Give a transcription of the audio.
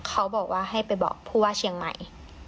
เขาบอกว่าให้ไปบอกผู้ว่าเชียงใหม่